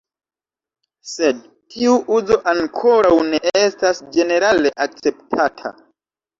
Sed tiu uzo ankoraŭ ne estas ĝenerale akceptata.